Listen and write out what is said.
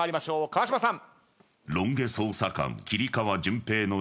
川島さん。